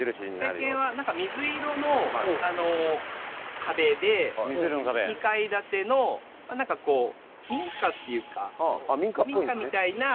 外見はなんか水色の壁で２階建てのなんかこう民家っていうか民家みたいな。